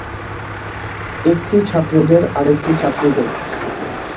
একটি ছাত্রদের আরেকটি ছাত্রীদের।